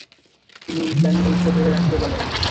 তিনি ইসলামি ঐক্য ধরে রাখতে বলেন।